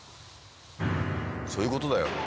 そういうことだよ。